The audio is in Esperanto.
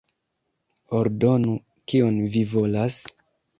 Ordonu, kion vi volas!